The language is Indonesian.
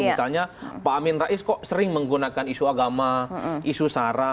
misalnya pak amin rais kok sering menggunakan isu agama isu sara